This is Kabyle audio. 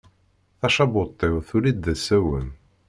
Tacabuṭ-iw tulli-d d asawen.